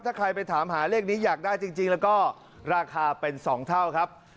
ถ้าใครไปถามหาเลขนี้อยากได้จริงแล้วก็ราคาเป็น๒เท่าครับ